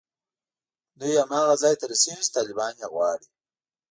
دوی هماغه ځای ته رسېږي چې طالبان یې غواړي